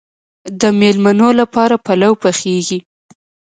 د میلمنو لپاره پلو پخیږي.